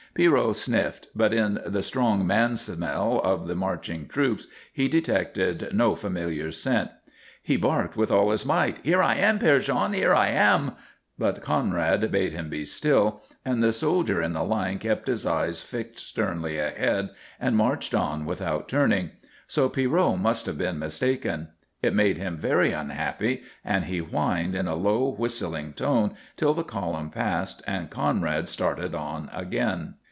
Pierrot sniffed, but in the strong man smell of the marching troops he detected no familiar scent. He barked with all his might, "Here I am, Père Jean; here I am!" But Conrad bade him be still, and the soldier in the line kept his eyes fixed sternly ahead and marched on without turning. So Pierrot must have been mistaken. It made him very unhappy, and he whined in a low, whistling tone till the column passed and Conrad started on again.